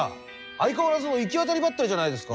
相変わらずの行き当たりばったりじゃないですか！